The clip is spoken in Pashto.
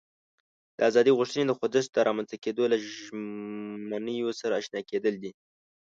د ازادي غوښتنې د خوځښت له رامنځته کېدو له ژمینو سره آشنا کېدل دي.